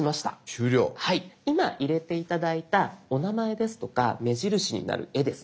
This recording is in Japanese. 今入れて頂いたお名前ですとか目印になる絵ですね